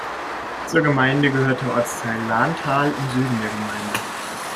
Zur Gemeinde gehört der Ortsteil Lahntal im Süden der Gemeinde.